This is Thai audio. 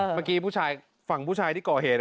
เมื่อกี้ผู้ชายฝั่งผู้ชายที่ก่อเหตุ